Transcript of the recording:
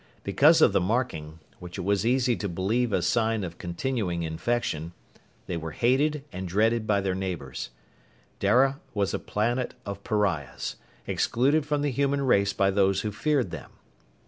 Because of the marking, which it was easy to believe a sign of continuing infection, they were hated and dreaded by their neighbors. Dara was a planet of pariahs excluded from the human race by those who feared them.